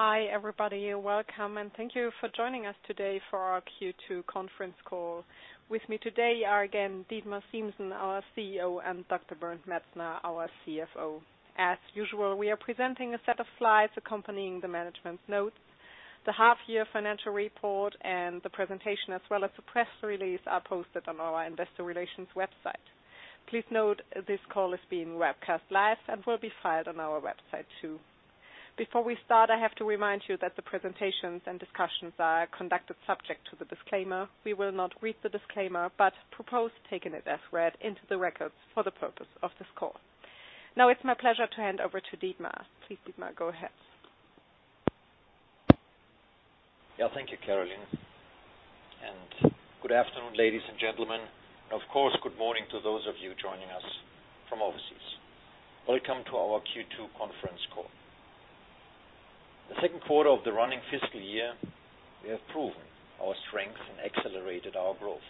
Hi, everybody, and welcome. Thank you for joining us today for our Q2 Conference Call. With me today are, again, Dietmar Siemssen, our CEO, and Dr. Bernd Metzner, our CFO. As usual, we are presenting a set of slides accompanying the management notes. The half-year financial report and the presentation, as well as the press release, are posted on our investor relations website. Please note this call is being webcast live and will be filed on our website, too. Before we start, I have to remind you that the presentations and discussions are conducted subject to the disclaimer. We will not read the disclaimer but propose taking it as read into the records for the purpose of this call. Now it's my pleasure to hand over to Dietmar. Please, Dietmar, go ahead. Thank you, Carolin. Good afternoon, ladies and gentlemen, and of course, good morning to those of you joining us from overseas. Welcome to our Q2 Conference Call. The second quarter of the running fiscal year, we have proven our strength and accelerated our growth.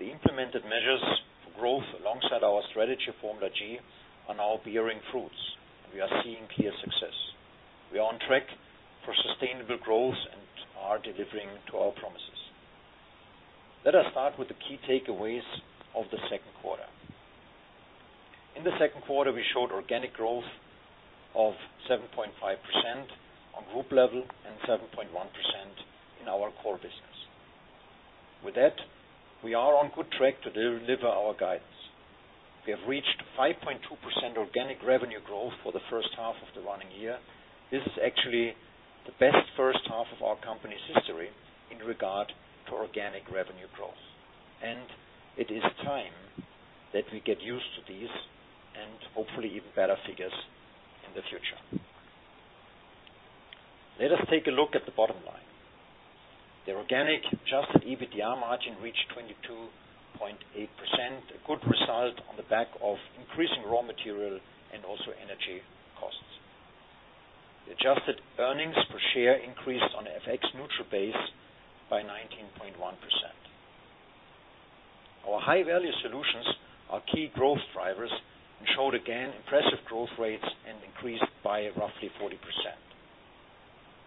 The implemented measures for growth alongside our Strategy Formula G are now bearing fruits. We are seeing clear success. We are on track for sustainable growth and are delivering to our promises. Let us start with the key takeaways of the second quarter. In the second quarter, we showed organic growth of 7.5% on group level and 7.1% in our core business. With that, we are on good track to deliver our guidance. We have reached 5.2% organic revenue growth for the first half of the running year. This is actually the best first half of our company's history in regard for organic revenue growth, and it is time that we get used to these and hopefully even better figures in the future. Let us take a look at the bottom line. The organic adjusted EBITDA margin reached 22.8%, a good result on the back of increasing raw material and also energy costs. The adjusted earnings per share increased on FX neutral base by 19.1%. Our high-value solutions are key growth drivers and showed again impressive growth rates and increased by roughly 40%.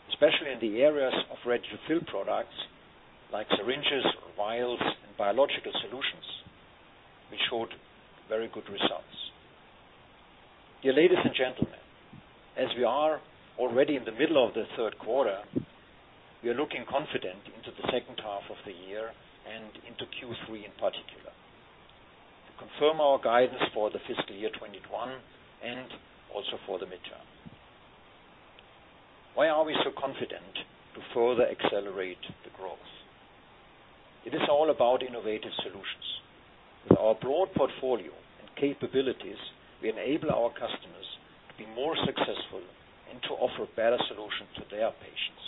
Especially in the areas of ready-to-fill products like syringes or vials and biological solutions, we showed very good results. Ladies and gentlemen, as we are already in the middle of the third quarter, we are looking confident into the second half of the year and into Q3 in particular. We confirm our guidance for the fiscal year 2021 and also for the midterm. Why are we so confident to further accelerate the growth? It is all about innovative solutions. With our broad portfolio and capabilities, we enable our customers to be more successful and to offer better solutions to their patients.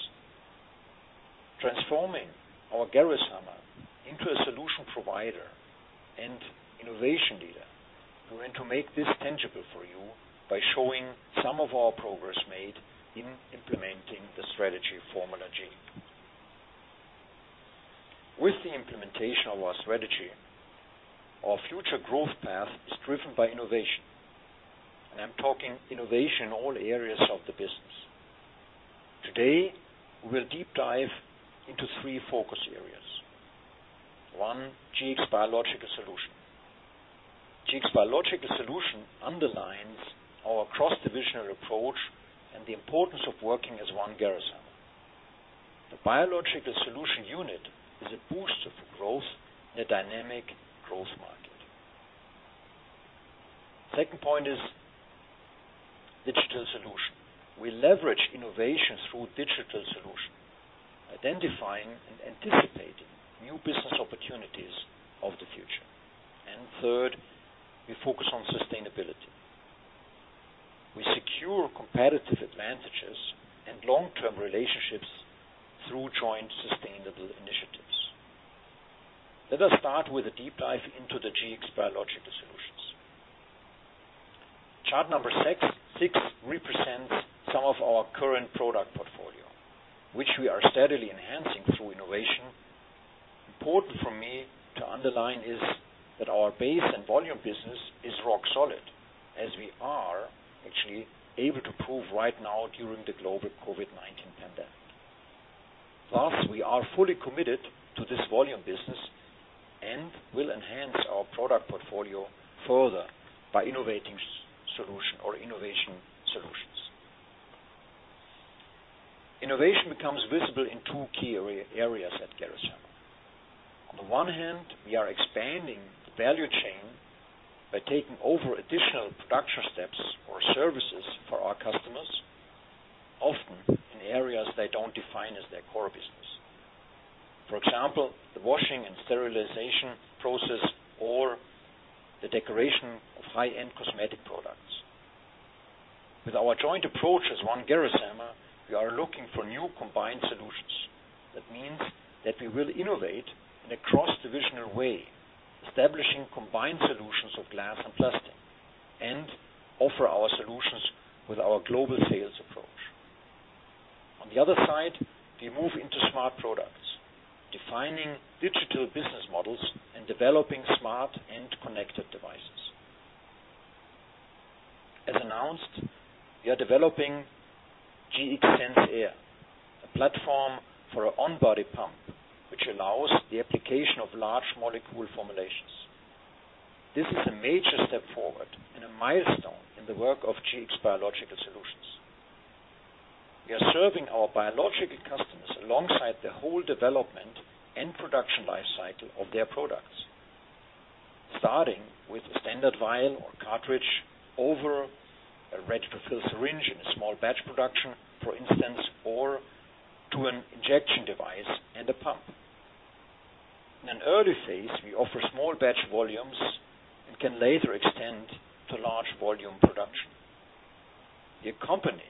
Transforming our Gerresheimer into a solution provider and innovation leader. We want to make this tangible for you by showing some of our progress made in implementing the Strategy Formula G. With the implementation of our strategy, our future growth path is driven by innovation, and I'm talking innovation in all areas of the business. Today, we will deep dive into three focus areas. one, Gx Biological Solutions. Gx Biological Solutions underlines our cross-divisional approach and the importance of working as One Gerresheimer. Biological Solutions unit is a booster for growth in a dynamic growth market. Second point is digital solution. We leverage innovation through digital solution, identifying and anticipating new business opportunities of the future. Third, we focus on sustainability. We secure competitive advantages and long-term relationships through joint sustainable initiatives. Let us start with a deep dive into the Gx Biological Solutions. Chart number sixrepresents some of our current product portfolio, which we are steadily enhancing through innovation. Important for me to underline is that our base and volume business is rock solid as we are actually able to prove right now during the global COVID-19 pandemic. Thus, we are fully committed to this volume business and will enhance our product portfolio further by innovating solutions or innovation solutions. Innovation becomes visible in two key areas at Gerresheimer. On the one hand, we are expanding the value chain by taking over additional production steps or services for our customers, often in areas they don't define as their core business. For example, the washing and sterilization process or the decoration of high-end cosmetic products. With our joint approach as One Gerresheimer, we are looking for new combined solutions. That means that we will innovate in a cross-divisional way, establishing combined solutions of glass and plastic, and offer our solutions with our global sales approach. On the other side, we move into smart products, defining digital business models, and developing smart and connected devices. As announced, we are developing Gx SensAIR, a platform for an on-body pump, which allows the application of large molecule formulations. This is a major step forward and a milestone in the work of Gx Biological Solutions. We are serving our biological customers alongside the whole development and production life cycle of their products, starting with a standard vial or cartridge over a ready-to-fill syringe in a small batch production, for instance, or to an injection device and a pump. In an early phase, we offer small batch volumes and can later extend to large volume production. We accompany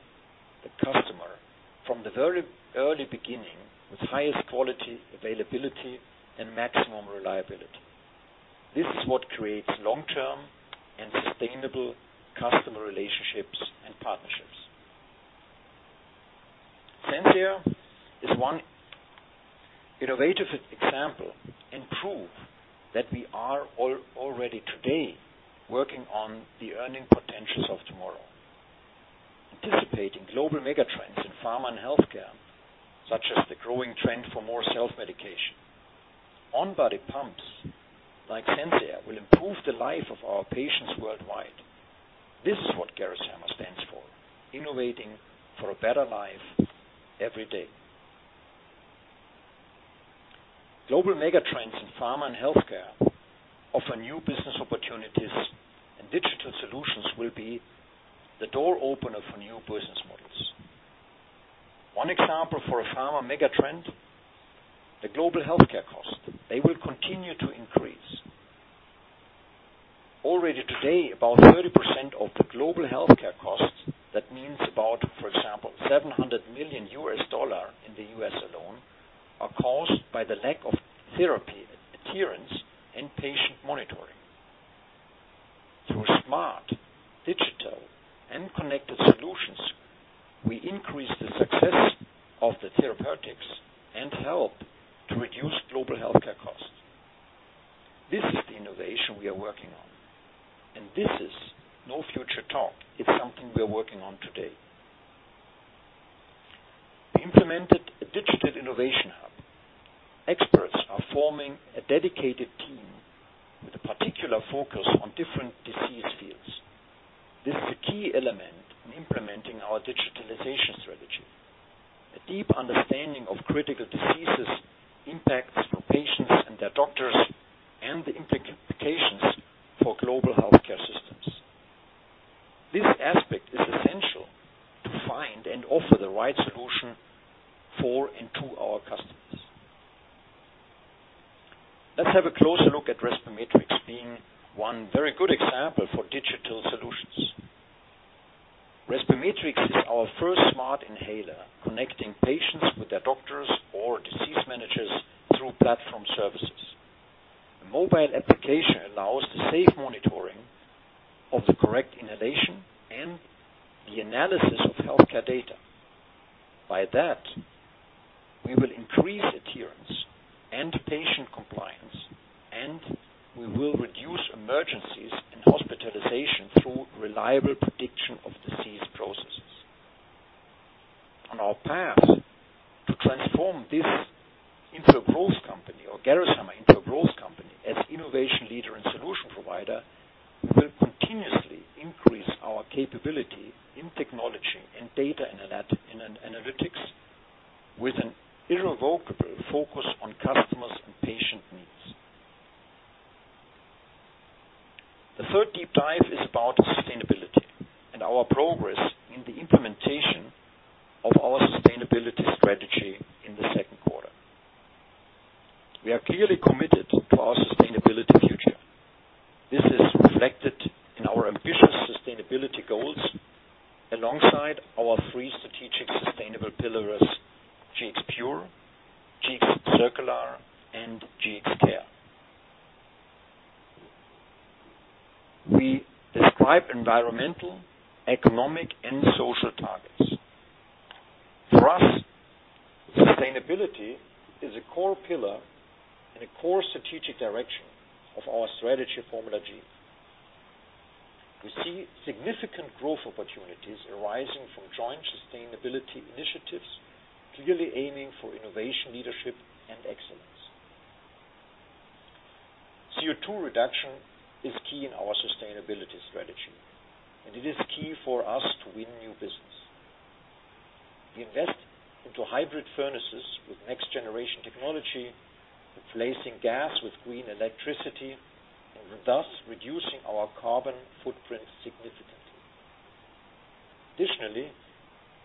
the customer from the very early beginning with highest quality, availability, and maximum reliability. This is what creates long-term and sustainable customer relationships and partnerships. SensAIR is one innovative example and proof that we are already today working on the earning potentials of tomorrow. Anticipating global mega trends in pharma and healthcare, such as the growing trend for more self-medication. On-body pumps like SensAIR will improve the life of our patients worldwide. This is what Gerresheimer stands for, innovating for a better life every day. Global mega trends in pharma and healthcare offer new business opportunities. Digital solutions will be the door opener for new business models. One example of a pharma mega trend, the global healthcare cost. They will continue to increase. Already today, about 30% of global healthcare costs, that means about, for example, $700 million in the U.S. alone, are caused by the lack of therapy adherence and patient monitoring. Through smart, digital, and connected solutions, we increase the success of the therapeutics and help to reduce global healthcare costs. This is the innovation we are working on. This is no future talk. It's something we are working on today. We implemented a digital innovation hub. Experts are forming a dedicated team with a particular focus on different disease fields. This is a key element in implementing our digitalization strategy. A deep understanding of critical diseases impacts for patients and their doctors, and the implications for global healthcare systems. This aspect is essential to find and offer the right solution for and to our customers. Let's have a closer look at Respimetrix being one very good example of digital solutions. Respimetrix is our first smart inhaler, connecting patients with their doctors or disease managers through platform services. A mobile application allows the safe monitoring of the correct inhalation and the analysis of healthcare data. By that, we will increase adherence and patient compliance, and we will reduce emergencies and hospitalization through reliable and it is key for us to win new business. We invest into hybrid furnaces with next-generation technology, replacing gas with green electricity, and thus reducing our carbon footprint significantly. Additionally,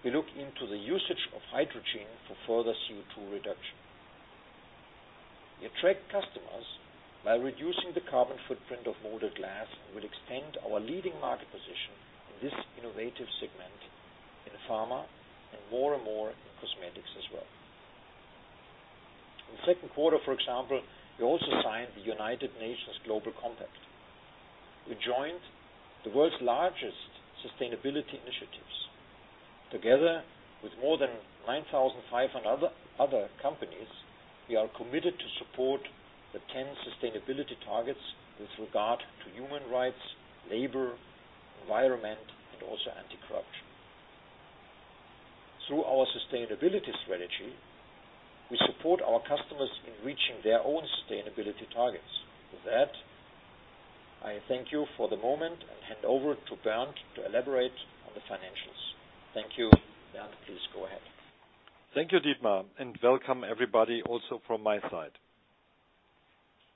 we look into the usage of hydrogen for further CO2 reduction. We attract customers by reducing the carbon footprint of molded glass and will extend our leading market position in this innovative segment in pharma and more and more in consumer. In second quarter, for example, we also signed the United Nations Global Compact. We joined the world's largest sustainability initiatives. Together with more than 9,500 other companies, we are committed to support the 10 sustainability targets with regard to human rights, labor, environment and also anti-corruption. Through our sustainability strategy, we support our customers in reaching their own sustainability targets. With that, I thank you for the moment and hand over to Bernd to elaborate on the financials. Thank you. Bernd, please go ahead. Thank you, Dietmar, and welcome everybody, also from my side.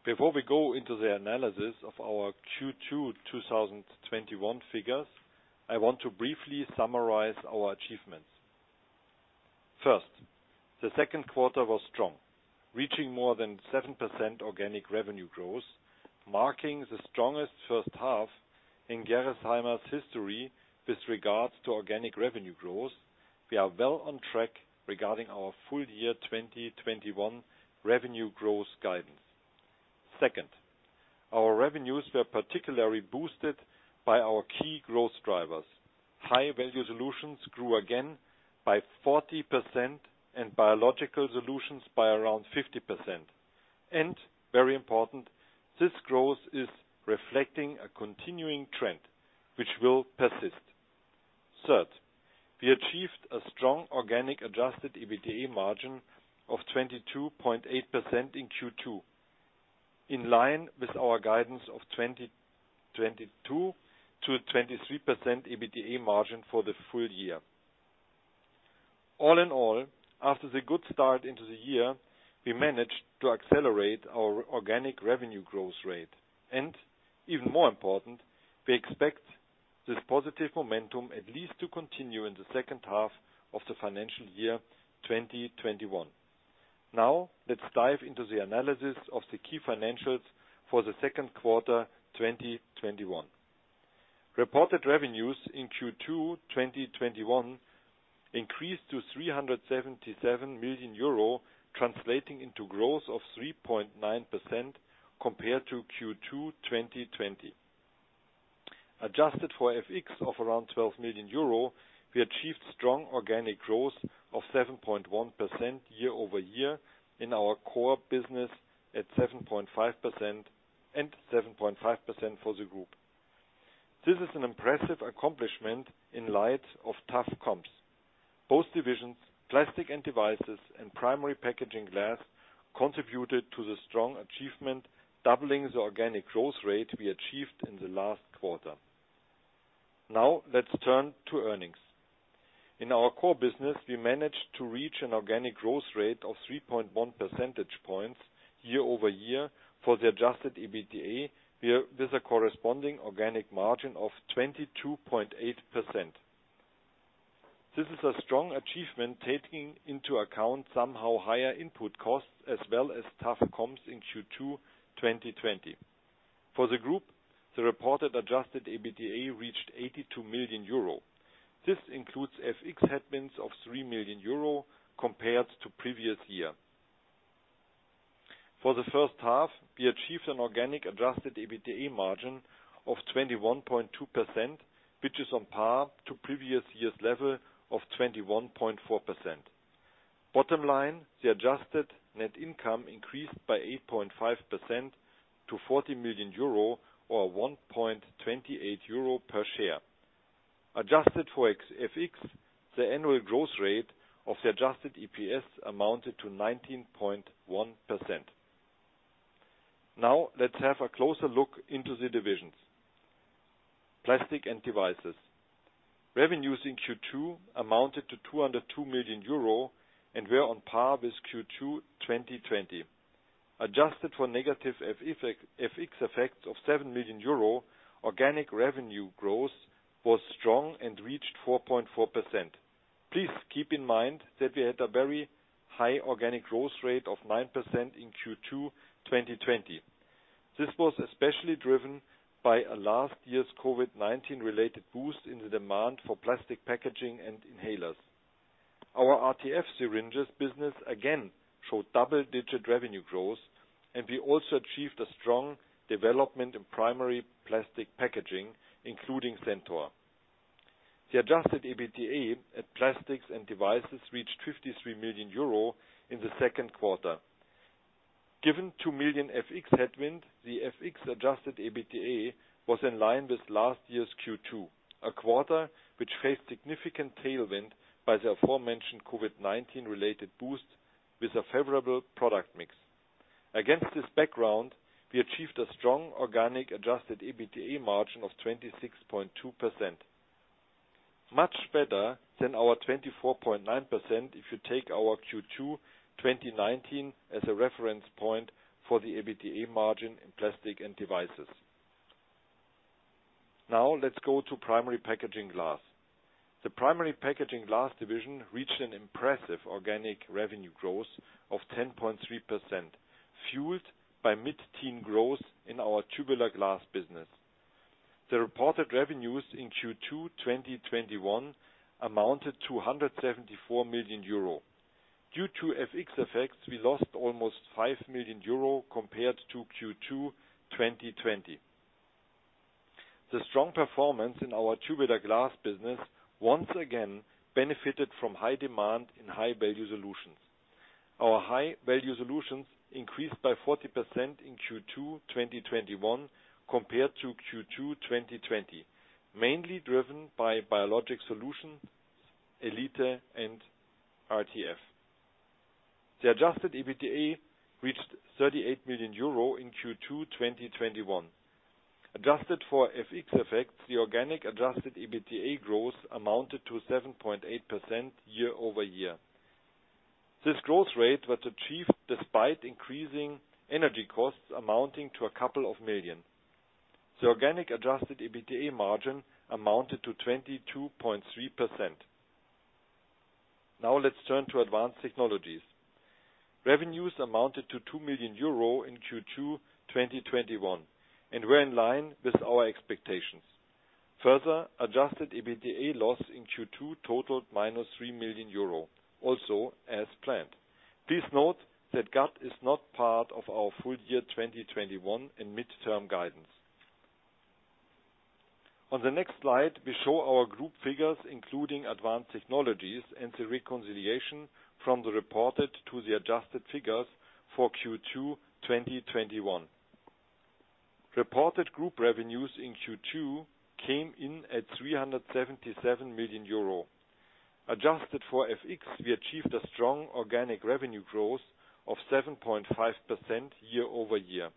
Before we go into the analysis of our Q2 2021 figures, I want to briefly summarize our achievements. First, the second quarter was strong, reaching more than 7% organic revenue growth, marking the strongest first half in Gerresheimer's history with regards to organic revenue growth. We are well on track regarding our full year 2021 revenue growth guidance. Second, our revenues were particularly boosted by our key growth drivers. high-value solutions grew again by 40% and biological solutions by around 50%. Very important, this growth is reflecting a continuing trend which will persist. Third, we achieved a strong organic adjusted EBITDA margin of 22.8% in Q2, in line with our guidance of 22%-23% EBITDA margin for the full year. All in all, after the good start into the year, we managed to accelerate our organic revenue growth rate. Even more important, we expect this positive momentum at least to continue in the second half of the financial year 2021. Let's dive into the analysis of the key financials for the second quarter 2021. Reported revenues in Q2 2021 increased to EUR 377 million, translating into growth of 3.9% compared to Q2 2020. Adjusted for FX of around 12 million euro, we achieved strong organic growth of 7.1% year-over-year in our core business at 7.5% and 7.5% for the group. This is an impressive accomplishment in light of tough comps. Both divisions, Plastics & Devices and Primary Packaging Glass, contributed to the strong achievement, doubling the organic growth rate we achieved in the last quarter. Let's turn to earnings. In our core business, we managed to reach an organic growth rate of 3.1 percentage points year-over-year. For the adjusted EBITDA, with a corresponding organic margin of 22.8%. This is a strong achievement taking into account somehow higher input costs as well as tough comps in Q2 2020. For the group, the reported adjusted EBITDA reached 82 million euro. This includes FX headwinds of 3 million euro compared to previous year. For the first half, we achieved an organic adjusted EBITDA margin of 21.2%, which is on par to previous year's level of 21.4%. Bottom line, the adjusted net income increased by 8.5% to 40 million euro or 1.28 euro per share. Adjusted for FX, the annual growth rate of the adjusted EPS amounted to 19.1%. Let's have a closer look into the divisions. Plastics & Devices. Revenues in Q2 amounted to 202 million euro and were on par with Q2 2020. Adjusted for negative FX effects of 7 million euro, organic revenue growth was strong and reached 4.4%. Please keep in mind that we had a very high organic growth rate of 9% in Q2 2020. This was especially driven by last year's COVID-19 related boost in the demand for plastic packaging and inhalers. Our RTF syringes business again showed double digit revenue growth, and we also achieved a strong development in primary plastic packaging, including Centor. The adjusted EBITDA at Plastics & Devices reached 53 million euro in the second quarter. Given 2 million FX headwind, the FX adjusted EBITDA was in line with last year's Q2, a quarter which faced significant tailwind by the aforementioned COVID-19 related boost with a favorable product mix. Against this background, we achieved a strong organic adjusted EBITDA margin of 26.2%. Much better than our 24.9% if you take our Q2 2019 as a reference point for the EBITDA margin in Plastics & Devices. Let's go to Primary Packaging Glass. The Primary Packaging Glass division reached an impressive organic revenue growth of 10.3%, fueled by mid-teen growth in our tubular glass business. The reported revenues in Q2 2021 amounted to 174 million euro. Due to FX effects, we lost almost 5 million euro compared to Q2 2020. The strong performance in our tubular glass business once again benefited from high demand in high-value solutions. Our high-value solutions increased by 40% in Q2 2021 compared to Q2 2020, mainly driven by biological solutions, Elite and RTF. The adjusted EBITDA reached 38 million euro in Q2 2021. Adjusted for FX effects, the organic adjusted EBITDA growth amounted to 7.8% year-over-year. This growth rate was achieved despite increasing energy costs amounting to couple of million. The organic adjusted EBITDA margin amounted to 22.3%. Now let's turn to Advanced Technologies. Revenues amounted to 2 million euro in Q2 2021 and were in line with our expectations. Further adjusted EBITDA loss in Q2 totaled minus 3 million euro, also as planned. Please note that GAT is not part of our full year 2021 in midterm guidance. On the next slide, we show our group figures, including Advanced Technologies and the reconciliation from the reported to the adjusted figures for Q2 2021. Reported group revenues in Q2 came in at 377 million euro. Adjusted for FX, we achieved a strong organic revenue growth of 7.5% year-over-year.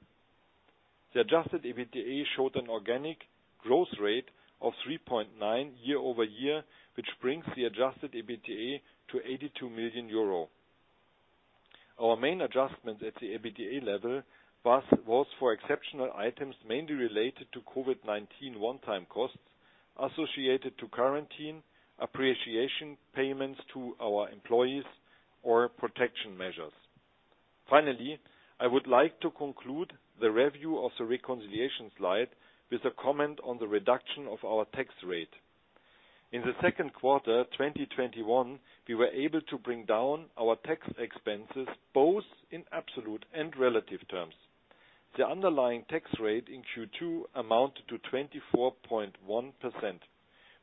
The adjusted EBITDA showed an organic growth rate of 3.9% year-over-year, which brings the adjusted EBITDA to 82 million euro. Our main adjustment at the EBITDA level was for exceptional items mainly related to COVID-19 one time costs associated to quarantine, appreciation payments to our employees, or protection measures. Finally, I would like to conclude the review of the reconciliation slide with a comment on the reduction of our tax rate. In the second quarter 2021, we were able to bring down our tax expenses both in absolute and relative terms. The underlying tax rate in Q2 amounted to 24.1%,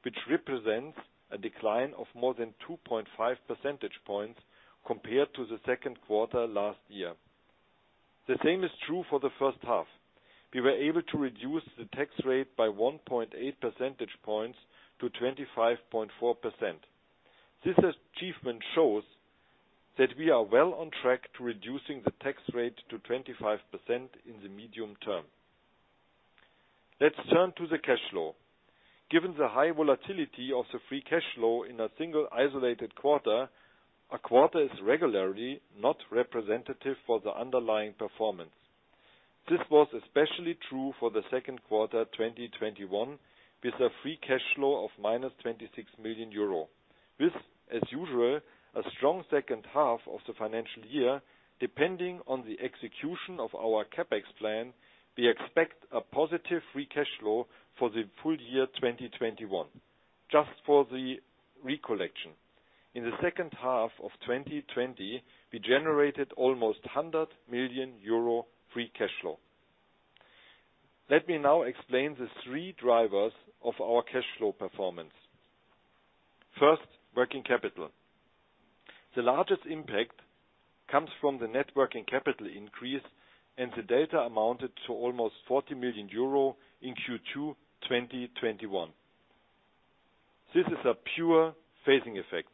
which represents a decline of more than 2.5 percentage points compared to the second quarter last year. The same is true for the first half. We were able to reduce the tax rate by 1.8 percentage points to 25.4%. This achievement shows that we are well on track to reducing the tax rate to 25% in the medium term. Let's turn to the cash flow. Given the high volatility of the free cash flow in a single isolated quarter, a quarter is regularly not representative for the underlying performance. This was especially true for the second quarter 2021, with a free cash flow of minus 26 million euro. With, as usual, a strong second half of the financial year, depending on the execution of our CapEx plan, we expect a positive free cash flow for the full year 2021. Just for the recollection, in the second half of 2020, we generated almost 100 million euro free cash flow. Let me now explain the three drivers of our cash flow performance. First, working capital. The largest impact comes from the net working capital increase, and the delta amounted to almost 40 million euro in Q2 2021. This is a pure phasing effect.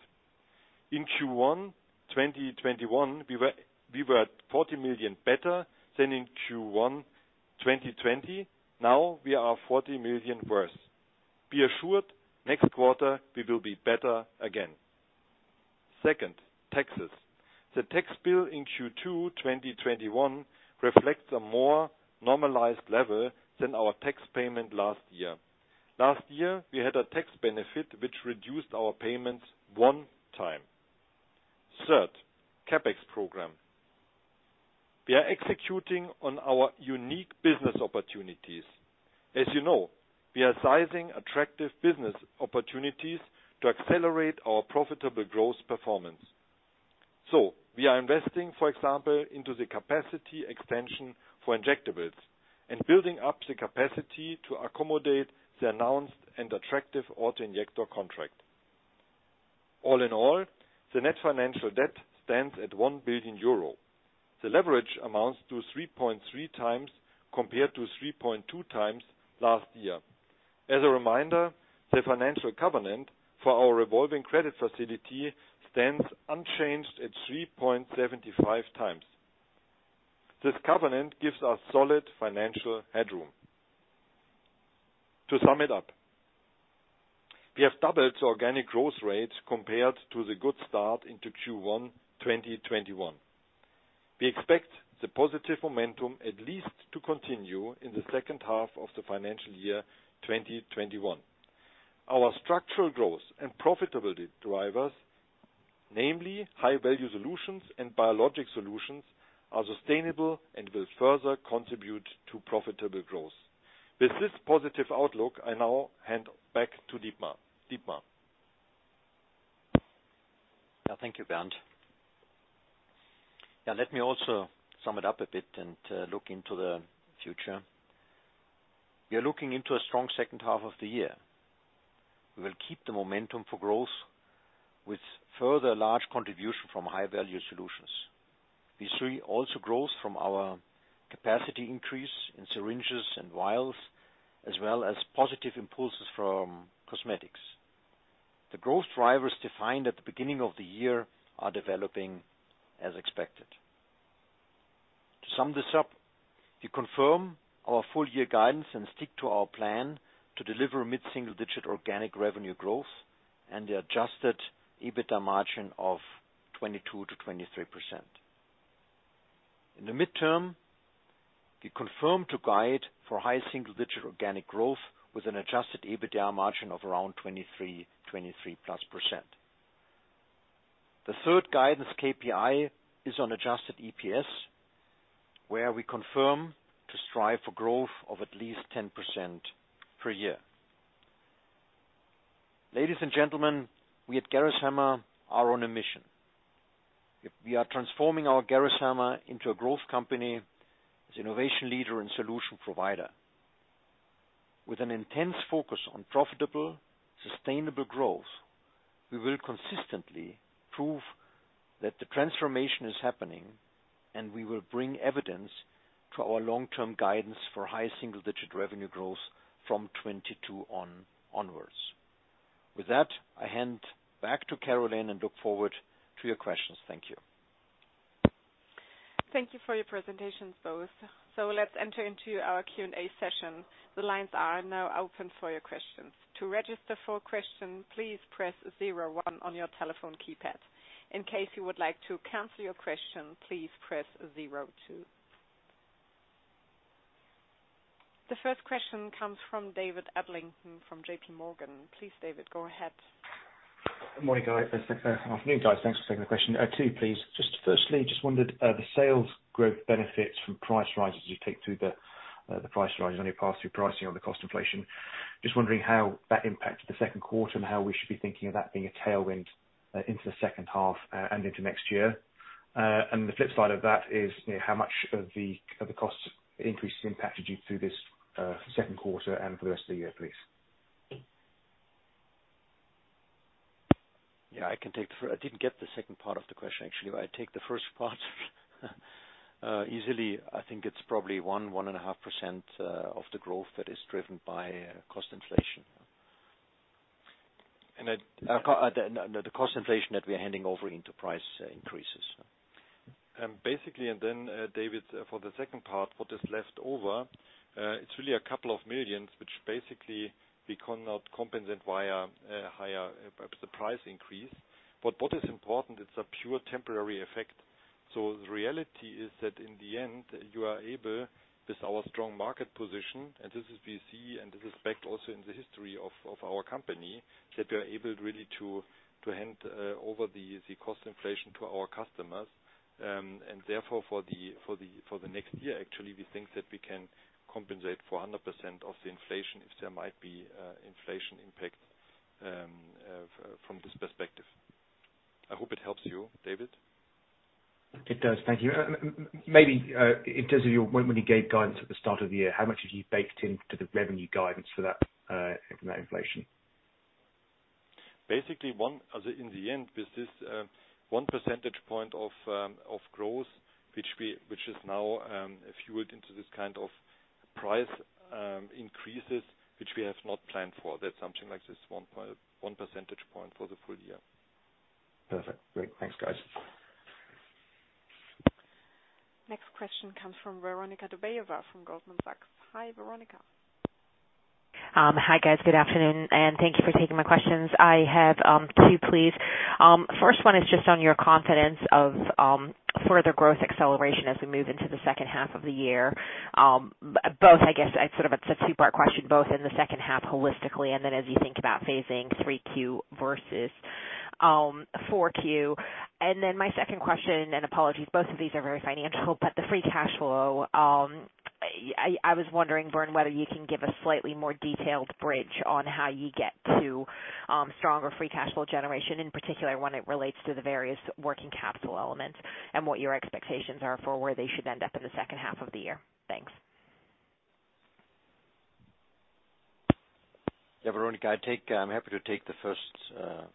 In Q1 2021, we were at 40 million better than in Q1 2020. Now we are 40 million worse. Be assured, next quarter we will be better again. Taxes the tax bill in Q2 2021 reflects a more normalized level than our tax payment last year. Last year, we had a tax benefit which reduced our payment one time. CapEx program. We are executing on our unique business opportunities. As you know, we are sizing attractive business opportunities to accelerate our profitable growth performance. We are investing, for example, into the capacity extension for injectables and building up the capacity to accommodate the announced and attractive autoinjector contract. All in all, the net financial debt stands at 1 billion euro. The leverage amounts to 3.3x compared to 3.2x last year. As a reminder, the financial covenant for our revolving credit facility stands unchanged at 3.75x. This covenant gives us solid financial headroom. To sum it up, we have doubled the organic growth rates compared to the good start into Q1 2021. We expect the positive momentum at least to continue in the second half of the financial year 2021. Our structural growth and profitability drivers. Namely, high-value solutions and biological solutions are sustainable and will further contribute to profitable growth. With this positive outlook, I now hand back to Dietmar. Dietmar. Thank you, Bernd. Let me also sum it up a bit and look into the future. We are looking into a strong second half of the year. We will keep the momentum for growth with further large contribution from high-value solutions. We see also growth from our capacity increase in syringes and vials, as well as positive impulses from cosmetics. The growth drivers defined at the beginning of the year are developing as expected. To sum this up, we confirm our full-year guidance and stick to our plan to deliver mid-single-digit organic revenue growth, the adjusted EBITDA margin of 22%-23%. In the midterm, we confirm to guide for high single-digit organic growth with an adjusted EBITDA margin of around 23%, 23%+. The third guidance KPI is on adjusted EPS, where we confirm to strive for growth of at least 10% per year. Ladies and gentlemen, we at Gerresheimer are on a mission. We are transforming our Gerresheimer into a growth company as innovation leader and solution provider. With an intense focus on profitable, sustainable growth, we will consistently prove that the transformation is happening, and we will bring evidence to our long-term guidance for high single-digit revenue growth from 2022 onwards. With that, I hand back to Carolin and look forward to your questions. Thank you. Thank you for your presentations, both. Let's enter into our Q&A session. The lines are now open for your questions. To register for a question, please press zero one on your telephone keypad. In case you would like to cancel your question, please press zero two. The first question comes from David Adlington from JPMorgan. Please, David, go ahead. Morning, guys. Thanks for taking my question. Two, please. Just firstly, I just wondered the sales growth benefit from price rises you take through the price rise on your pass-through pricing on the cost inflation, just wondering how that impacted the second quarter and how we should be thinking about being a tailwind into the second half and into next year? The flip side of that is how much of the cost increase impacted you through this second quarter and for the rest of the year? Please. Yeah, I didn't get the second part of the question, actually, but I take the first part. Easily, I think it's probably 1%, 1.5% of the growth that is driven by cost inflation. The cost inflation that we're handing over into price increases. David, for the second part, what is left over, it's really EUR a couple of millions, which we cannot compensate via a higher price increase. What is important is the pure temporary effect. The reality is that in the end, you are able, with our strong market position, and this is we see, and this is backed also in the history of our company, that we are able really to hand over the cost inflation to our customers. For the next year, we think that we can compensate for 100% of the inflation if there might be inflation impact from this perspective. I hope it helps you, David. It does. Thank you. Maybe just when we gave guidance at the start of the year, how much have you baked into the revenue guidance for that inflation? Basically, in the end, there's this one percentage point of growth, which is now fueled into these price increases, which we have not planned for. That's something like this one percentage point for the full year. Perfect. Great. Thanks, guys. Next question comes from Veronika Dubajova from Goldman Sachs. Hi, Veronika. Hi, guys. Good afternoon, and thank you for taking my questions. I have two, please. First one is just on your confidence of further growth acceleration as we move into the second half of the year. Both, I guess, it's a two part question, both in the second half holistically and then as you think about phasing 3Q versus 4Q. My second question, and apologies, both of these are very financial, but the free cash flow. I was wondering, Bernd, whether you can give a slightly more detailed bridge on how you get to stronger free cash flow generation, in particular when it relates to the various working capital elements and what your expectations are for where they should end up in the second half of the year. Thanks. Yeah, Veronika, I'm happy to take the first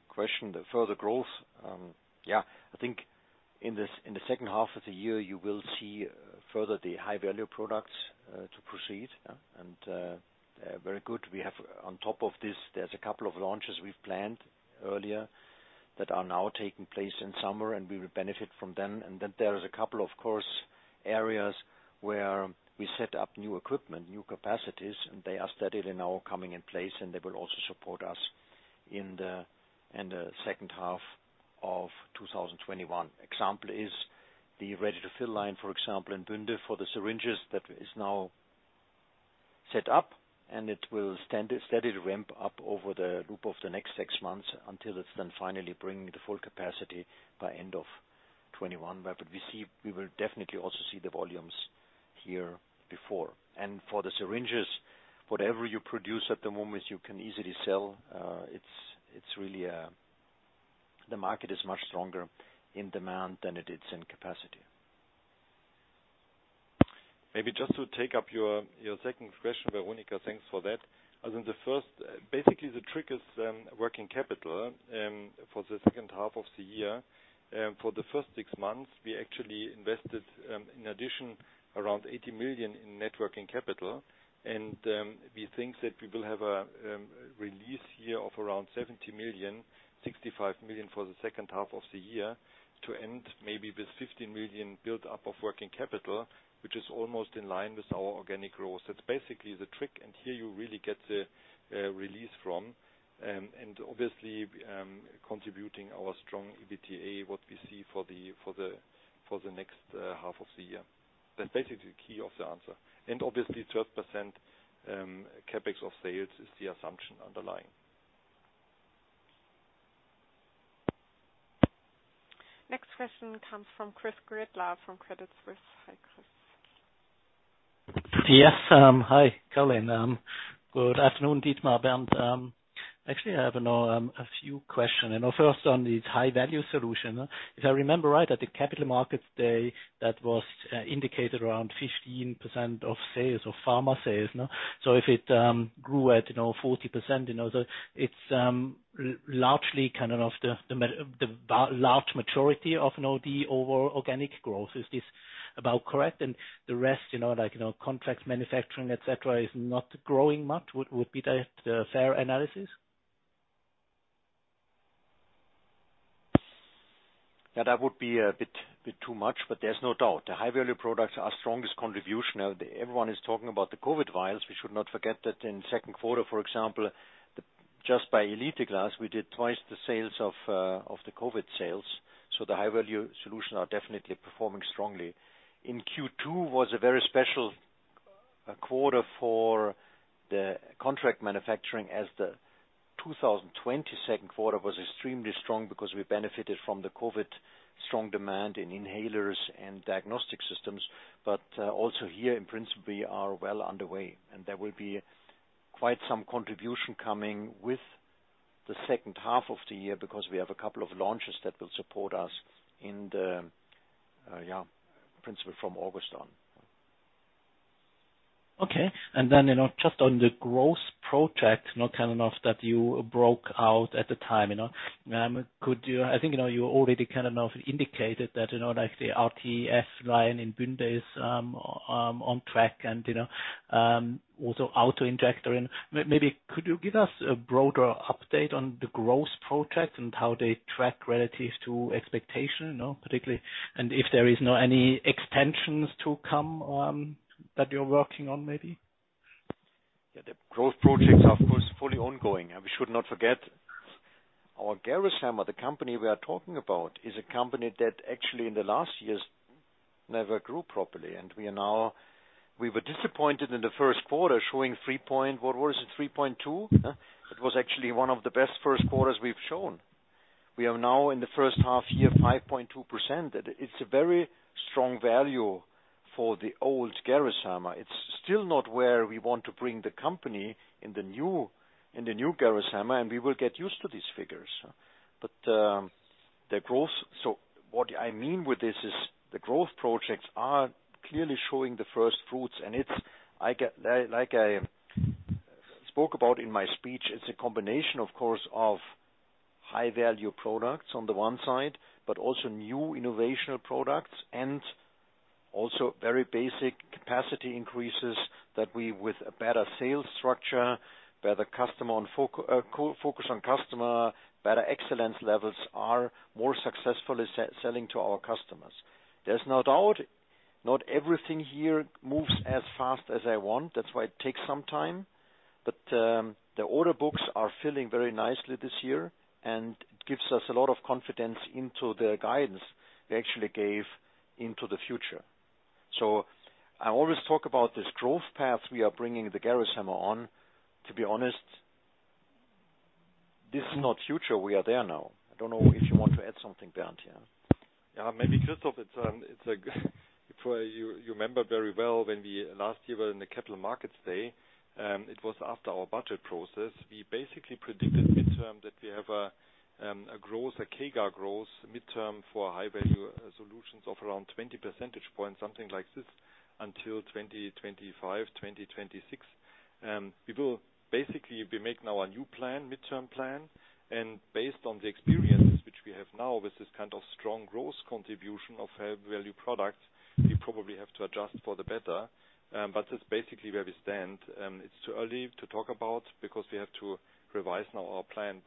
question. The further growth. Yeah, I think in the second half of the year, you will see further the high-value products to proceed. Very good. We have on top of this, there's a couple of launches we planned earlier that are now taking place in summer, and we will benefit from them. There is a couple, of course, areas where we set up new equipment, new capacities, and they are steadily now coming in place, and they will also support us in the second half of 2021. Example is the ready-to-fill line, for example, in Bünde for the syringes that is now Set up, it will steadily ramp up over the group of the next 6 months until it's then finally bringing the full capacity by end of 2021. We will definitely also see the volumes here before. For the syringes, whatever you produce at the moment, you can easily sell. The market is much stronger in demand than it is in capacity. Maybe just to take up your second question, Veronika, thanks for that. Basically, the trick is working capital for the second half of the year. For the first six months, we actually invested, in addition, around 80 million in net working capital. We think that we will have a release here of around 70 million, 65 million for the second half of the year, to end maybe with 50 million build-up of working capital, which is almost in line with our organic growth. That's basically the trick, and here you really get the release from, and obviously contributing our strong EBITDA, what we see for the next half of the year. That's basically the key of the answer. Obviously, 12% CapEx of sales is the assumption underlying. Next question comes from Chris Gretler from Credit Suisse. Hi, Chris. Yes. Hi, Colin. Good afternoon, Dietmar. Actually, I have a few questions. First on the high-value solution. If I remember right, at the Capital Markets Day, that was indicated around 15% of sales or pharma sales. If it grew at 40%, the large majority of the overall organic growth. Is this about correct? The rest, like contract manufacturing, et cetera, is not growing much, would be the fair analysis? That would be a bit too much, there's no doubt. The high-value solutions are strongest contribution. Everyone is talking about the COVID vials. We should not forget that in the second quarter, for example, just by Elite glass, we did twice the sales of the COVID vials. The high-value solutions are definitely performing strongly. Q2 was a very special quarter for the contract manufacturing as the 2020 second quarter was extremely strong because we benefited from the COVID-19 strong demand in smart inhalers and diagnostic systems. Also here, in principle, we are well underway. There will be quite some contribution coming with the second half of the year because we have a couple of launches that will support us in principle from August on. Okay. Then, just on the growth project that you broke out at the time. I think you already indicated that the RTF line in Bünde is on track and also autoinjector. Maybe could you give us a broader update on the growth projects and how they track relative to expectation? Particularly if there is any extensions to come that you're working on, maybe? The growth projects are, of course, fully ongoing. We should not forget our Gerresheimer, the company we are talking about, is a company that actually in the last years never grew properly. We were disappointed in the first quarter, showing 3.2%, what was it, 3.2%? It was actually one of the best first quarters we've shown. We are now in the first half year, 5.2%. It's a very strong value for the old Gerresheimer. It's still not where we want to bring the company in the new Gerresheimer. We will get used to these figures. What I mean with this is the growth projects are clearly showing the first fruits, and like I spoke about in my speech, it's a combination, of course, of high-value products on the one side, but also new innovational products and also very basic capacity increases that we with a better sales structure, better focus on customer, better excellence levels, are more successfully selling to our customers. There's no doubt, not everything here moves as fast as I want. That's why it takes some time. The order books are filling very nicely this year and gives us a lot of confidence into the guidance they actually gave into the future. I always talk about this growth path we are bringing the Gerresheimer on. To be honest, this is not future. We are there now. I don't know if you want to add something, Bernd, here. Maybe, Chris, if you remember very well, when last year we were in the Capital Markets Day, it was after our budget process. We basically predicted midterm that we have a CAGR growth midterm for high-value solutions of around 20 percentage points, something like this, until 2025, 2026. We make now a new plan, midterm plan, and based on the experience which we have now with this kind of strong growth contribution of high-value products, we probably have to adjust for the better. That's basically where we stand. It's too early to talk about because we have to revise now our plan.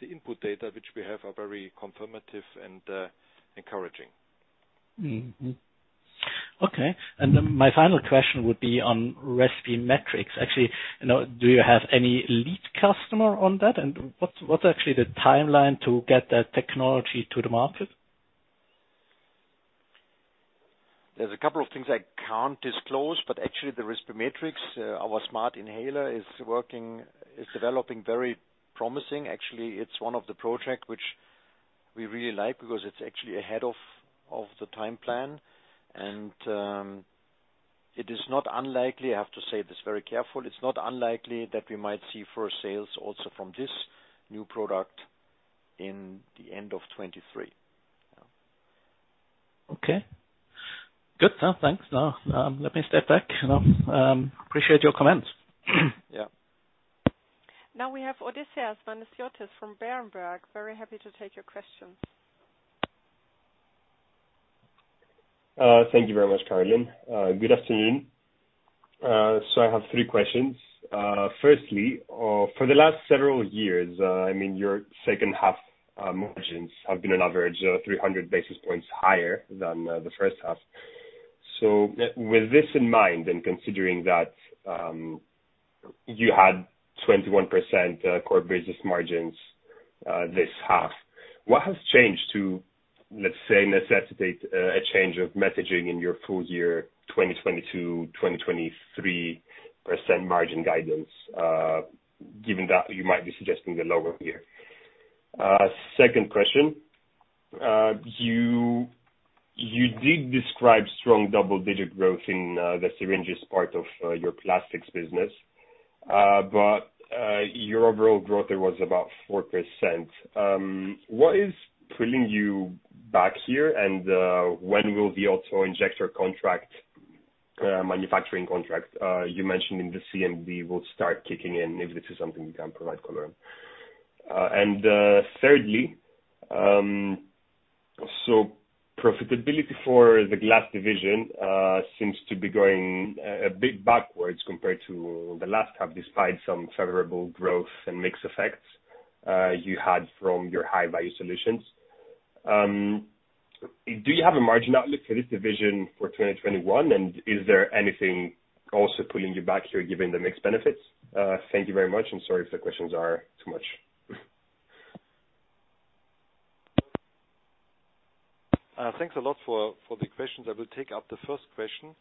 The input data which we have are very confirmative and encouraging. Okay. My final question would be on Respimetrix. Actually, do you have any lead customer on that? What's actually the timeline to get that technology to the market? There's a couple of things I can't disclose, but actually the Respimetrix, our smart inhaler, is developing very promising. Actually, it's one of the projects which we really like because it's actually ahead of the time plan. It is not unlikely, I have to say this very careful, it's not unlikely that we might see first sales also from this new product in the end of 2023. Okay. Good. Thanks. Now, let me step back. Appreciate your comments. Now we have Odysseas Manesiotis from Berenberg. Very happy to take your questions. Thank you very much, Carolin. Good afternoon. I have three questions. Firstly, for the last several years, your second half margins have been on average 300 basis points higher than the first half. With this in mind, and considering that you had 21% core business margins this half, what has changed to, let's say, necessitate a change of messaging in your full year 2022, 2023 margin guidance, given that you might be suggesting the lower here? Second question, you did describe strong double-digit growth in the syringes part of your Plastics business, but your overall growth rate was about 4%. What is pulling you back here, and when will the autoinjector manufacturing contract you mentioned in the CMD will start kicking in, if this is something you can provide color on? Thirdly, profitability for the glass division seems to be going a bit backwards compared to the last half, despite some favorable growth and mix effects you had from your high-value solutions. Do you have a margin outlook for this division for 2021, and is there anything also pulling you back here given the mix benefits? Thank you very much, sorry if the questions are too much. Thanks a lot for the questions. I will take up the first question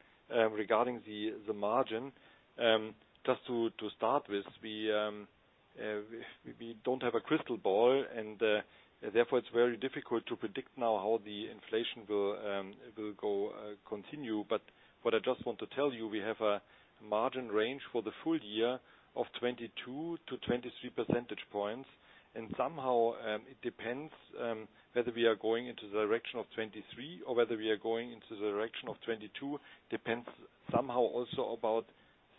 regarding the margin. Just to start with, we don't have a crystal ball, therefore it's very difficult to predict now how the inflation will continue. What I just want to tell you, we have a margin range for the full year of 22 to 23 percentage points, somehow it depends whether we are going into the direction of 23% or whether we are going into the direction of 22%, depends somehow also about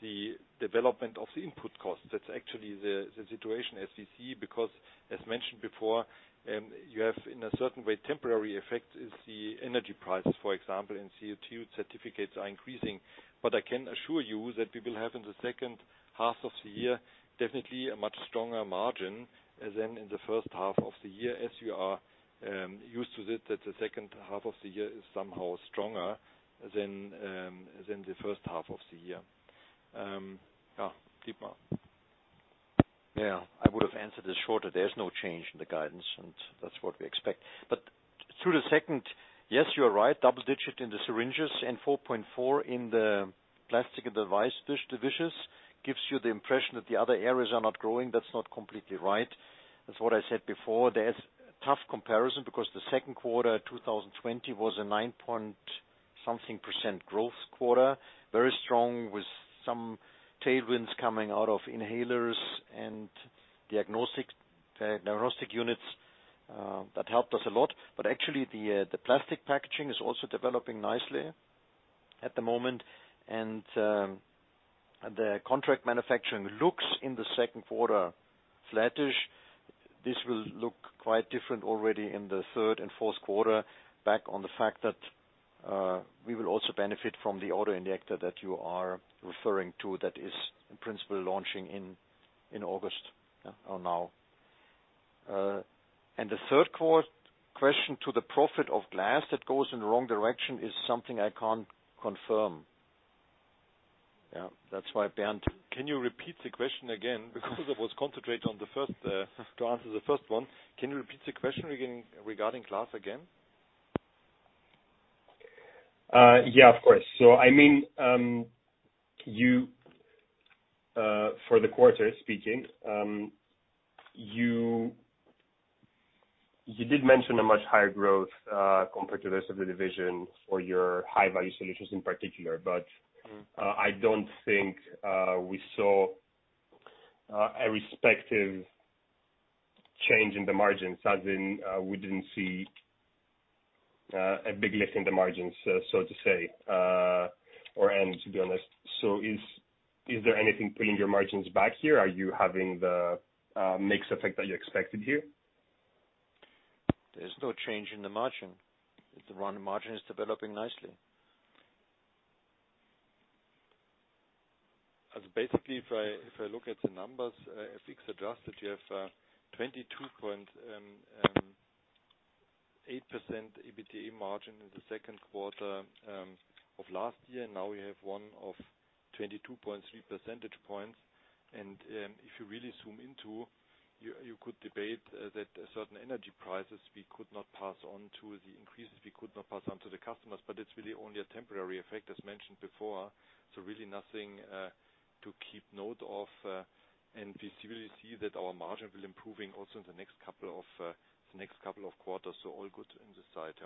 the development of the input cost. That's actually the situation as you see, because as mentioned before, you have in a certain way temporary effect is the energy prices, for example, and CO2 certificates are increasing. I can assure you that we will have in the second half of the year, definitely a much stronger margin than in the first half of the year as you are used to it, that the second half of the year is somehow stronger than the first half of the year. Yeah, Dietmar. I would have answered this shorter. There's no change in the guidance and that's what we expect. To the second, yes, you're right, double-digit in the syringes and 4.4% in the Plastics & Devices divisions gives you the impression that the other areas are not growing. That's not completely right. That's what I said before. There's tough comparison because the second quarter 2020 was a nine point something percent growth quarter, very strong with some tailwinds coming out of inhalers and diagnostic units. That helped us a lot. Actually the plastic packaging is also developing nicely at the moment, and the contract manufacturing looks in the second quarter flattish. This will look quite different already in the third and fourth quarter back on the fact that we will also benefit from the autoinjector that you are referring to that is in principle launching in August or now. The third question to the profit of glass that goes in the wrong direction is something I can't confirm. That's why, Bernd, can you repeat the question again? Because I was concentrated on the first, to answer the first one. Can you repeat the question regarding glass again? Yeah, of course. I mean, for the quarter speaking, you did mention a much higher growth compared to the rest of the division for your high-value solutions in particular. I don't think we saw a respective change in the margins, as in we didn't see a big lift in the margins, so to say, or any to be honest. Is there anything pulling your margins back here? Are you having the mix effect that you expected here? There's no change in the margin. The margin is developing nicely. Basically, if I look at the numbers, FX adjusted, you have 22.8% EBITDA margin in the second quarter of last year. Now we have one of 22.3 percentage points. If you really zoom into. You could debate that certain energy prices we could not pass on to the increases, we could not pass on to the customers, but it's really only a temporary effect as mentioned before. Really nothing to keep note of. We really see that our margin will improving also in the next couple of quarters. All good in this side.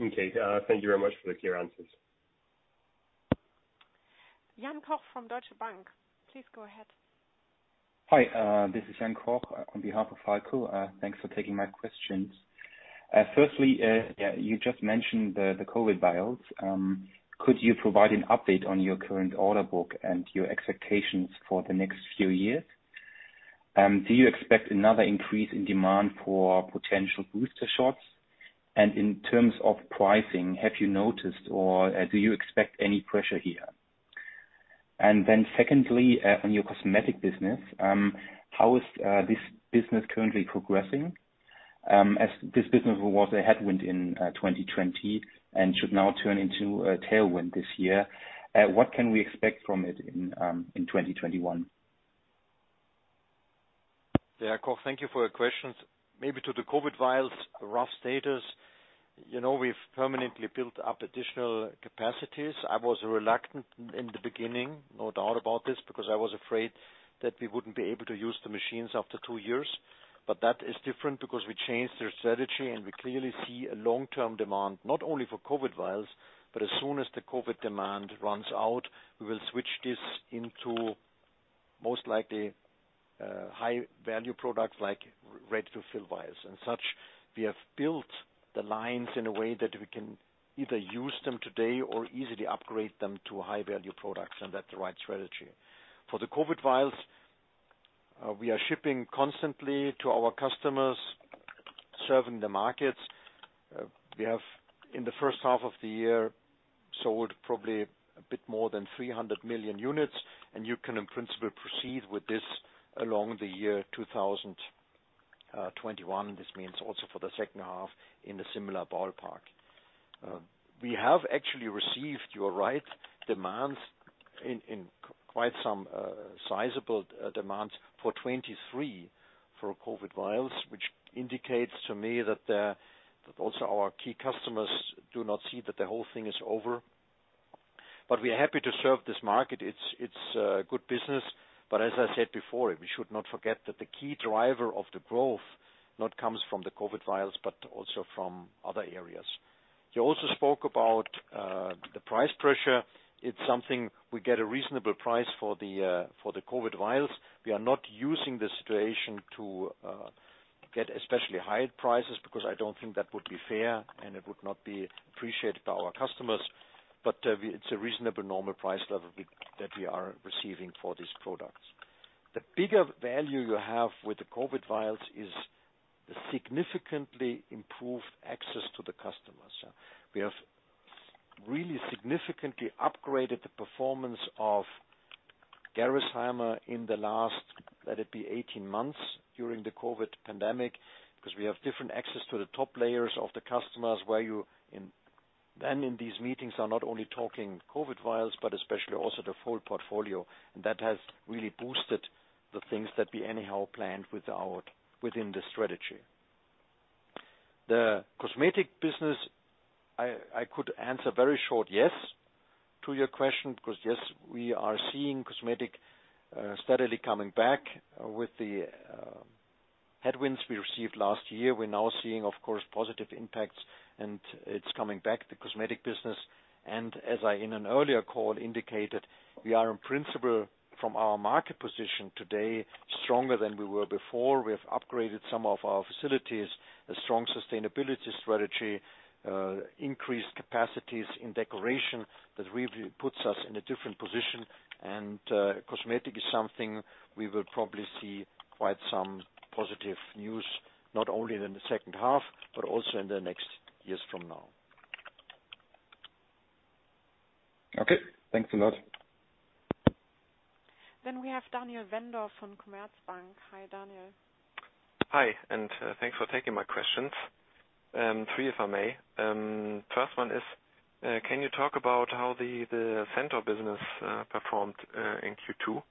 Okay. Thank you very much for the clear answers. Jan Koch from Deutsche Bank, please go ahead. Hi, this is Jan Koch on behalf of Falko. Thanks for taking my questions. Firstly, you just mentioned the COVID vials. Could you provide an update on your current order book and your expectations for the next few years? Do you expect another increase in demand for potential booster shots? In terms of pricing, have you noticed or do you expect any pressure here? Secondly, on your cosmetic business, how is this business currently progressing? As this business was a headwind in 2020 and should now turn into a tailwind this year. What can we expect from it in 2021? Yeah, Koch, thank you for your questions. Maybe to the COVID vials, the rough status. We've permanently built up additional capacities. I was reluctant in the beginning, no doubt about this, because I was afraid that we wouldn't be able to use the machines after two years. That is different because we changed our strategy, and we clearly see a long-term demand, not only for COVID vials, but as soon as the COVID demand runs out, we will switch this into most likely high-value product like ready-to-fill vials and such. We have built the lines in a way that we can either use them today or easily upgrade them to high-value products, and that's the right strategy. For the COVID vials, we are shipping constantly to our customers, serving the markets. We have, in the first half of the year, sold probably a bit more than 300 million units. You can in principle proceed with this along the year 2021. This means also for the second half in a similar ballpark. We have actually received, you are right, demands in quite some sizable demands for 2023 for COVID vials, which indicates to me that also our key customers do not see that the whole thing is over. We are happy to serve this market. It is good business. As I said before, we should not forget that the key driver of the growth not comes from the COVID vials, but also from other areas. You also spoke about the price pressure. It is something we get a reasonable price for the COVID vials. We are not using the situation to get especially high prices because I don't think that would be fair and it would not be appreciated by our customers. It's a reasonable normal price level that we are receiving for these products. The bigger value you have with the COVID vials is the significantly improved access to the customers. We have really significantly upgraded the performance of Gerresheimer in the last, let it be 18 months during the COVID-19 pandemic, because we have different access to the top layers of the customers where you then in these meetings are not only talking COVID vials, but especially also the full portfolio. That has really boosted the things that we anyhow planned within the strategy. The cosmetic business, I could answer very short yes to your question, because yes, we are seeing cosmetic steadily coming back with the headwinds we received last year. We're now seeing, of course, positive impacts and it's coming back, the cosmetic business. As I in an earlier call indicated, we are in principle from our market position today, stronger than we were before. We have upgraded some of our facilities, a strong sustainability strategy, increased capacities in decoration. That really puts us in a different position. Cosmetic is something we will probably see quite some positive news, not only in the second half, but also in the next years from now. Okay, thanks a lot. We have Daniel Wendorff from Commerzbank. Hi, Daniel. Hi, thanks for taking my questions. Three if I may. First one is, can you talk about how the Centor business performed in Q2?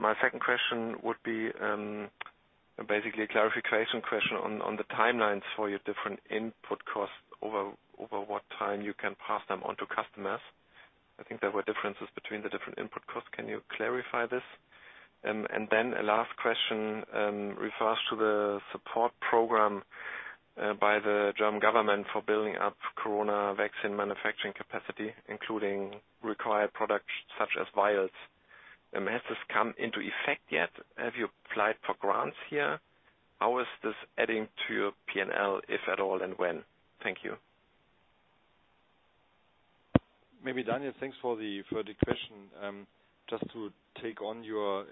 My second question would be basically a clarification question on the timelines for your different input costs over what time you can pass them on to customers. I think there were differences between the different input costs. Can you clarify this? A last question, refers to the support program by the German Government for building up COVID-19 vaccine manufacturing capacity, including required products such as vials. Has this come into effect yet? Have you applied for grants here? How is this adding to your P&L, if at all, and when? Thank you. Maybe Daniel, thanks for the question. Just to take on your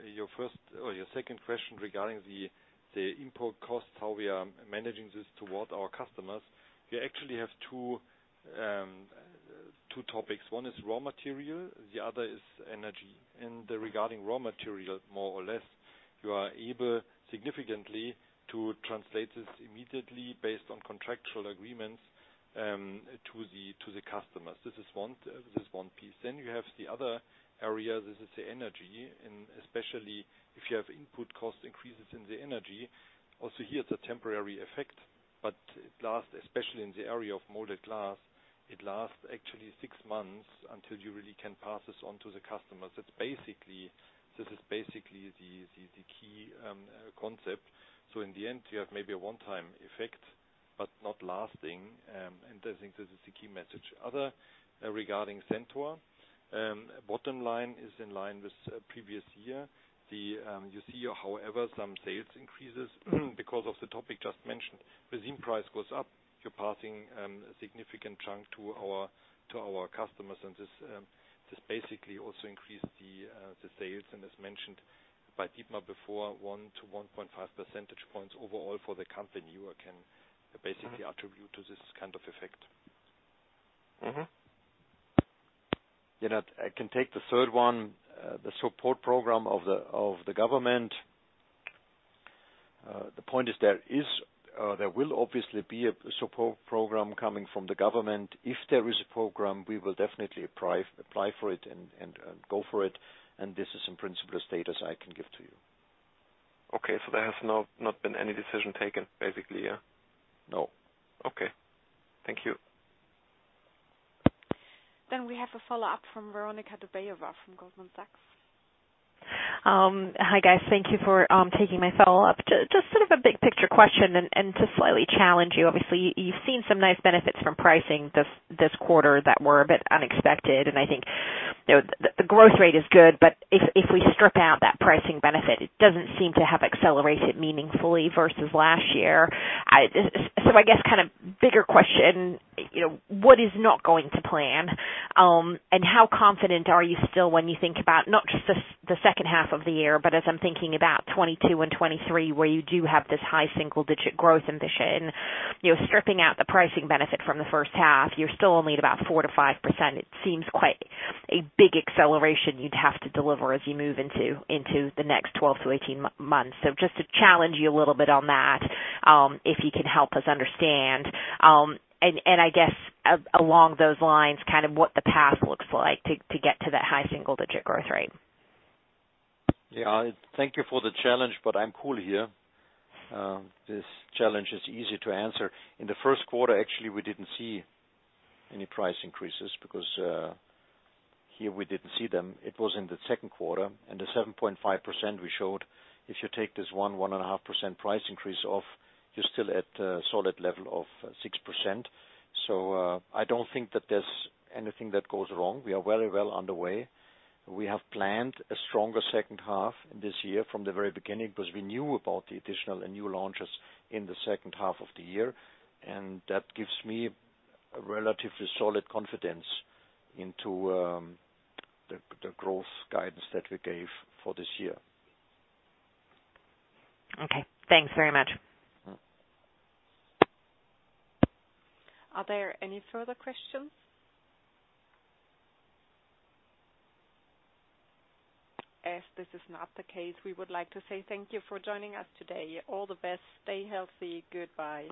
second question regarding the input cost, how we are managing this toward our customers. We actually have two topics. One is raw material, the other is energy. Regarding raw material, more or less you are able significantly to translate this immediately based on contractual agreements to the customers. This is one piece. You have the other area, this is the energy. Especially if you have input cost increases in the energy, also here it's a temporary effect, but it lasts, especially in the area of moulded glass, it lasts actually six months until you really can pass this on to the customers. This is basically the key concept. In the end, you have maybe a one-time effect, but not lasting, and I think this is the key message. Other, regarding Centor, bottom line is in line with previous year. You see, however, some sales increases because of the topic just mentioned. Resin price goes up, you're passing a significant chunk to our customers, and this basically also increased the sales and as mentioned by Dietmar before, one to 1.5 percentage points overall for the company, we can basically attribute to this kind of effect. Yeah, I can take the third one, the support program of the government. The point is there will obviously be a support program coming from the government. If there is a program, we will definitely apply for it and go for it, this is in principle the status I can give to you. Okay. There has not been any decision taken, basically, yeah? No. Okay. Thank you. We have a follow-up from Veronika Dubajova from Goldman Sachs. Hi, guys. Thank you for taking my follow-up. Just sort of a big picture question and to slightly challenge you, obviously, you've seen some nice benefits from pricing this quarter that were a bit unexpected, and I think the growth rate is good, if we strip out that pricing benefit, it doesn't seem to have accelerated meaningfully versus last year. I guess bigger question, what is not going to plan? How confident are you still when you think about not just the second half of the year, but as I'm thinking about 2022 and 2023, where you do have this high single-digit growth ambition. Stripping out the pricing benefit from the first half, you're still only at about 4%-5%. It seems quite a big acceleration you'd have to deliver as you move into the next 12 to 18 months. Just to challenge you a little bit on that, if you can help us understand, I guess along those lines, what the path looks like to get to that high single-digit growth rate? Yeah. Thank you for the challenge, but I'm cool here. This challenge is easy to answer. In the first quarter, actually, we didn't see any price increases because, here we didn't see them. It was in the second quarter, and the 7.5% we showed, if you take this 1.5% price increase off, you're still at a solid level of 6%. I don't think that there's anything that goes wrong. We are very well underway. We have planned a stronger second half this year from the very beginning because we knew about the additional and new launches in the second half of the year, and that gives me a relatively solid confidence into the growth guidance that we gave for this year. Okay. Thanks very much. Are there any further questions? As this is not the case, we would like to say thank you for joining us today. All the best. Stay healthy. Goodbye.